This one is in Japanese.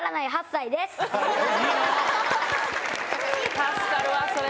助かるわそれ。